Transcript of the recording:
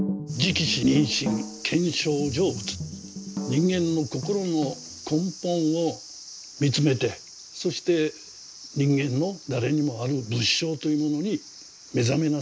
人間の心の根本を見つめてそして人間の誰にもある仏性というものに目覚めなさいと。